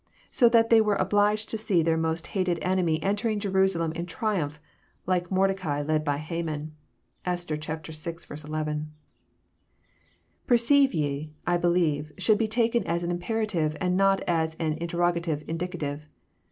So that they were > obliged to see their most hated'^nemy entering Jerusalem in \ triumph, like Mordecai led by Haman. (Esther vi. 11.) Perceive ye," I believe, should be taken as an imperative, and not as an interrogative indicative.